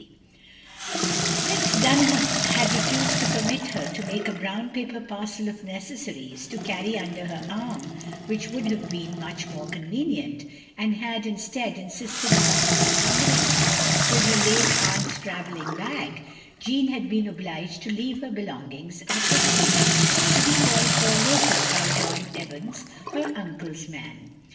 136 THE LONELY LADY 137 Since Dunham had refused to permit her to make a brown paper parcel of necessaries to carry under her arm (which would have been much more convenient) and had, instead, insisted upon encumbering her with her late aunt's travelling bag — ^Jeanne had been obliged to leave her belongings at the station to be called for later by John Evans, her uncle's man.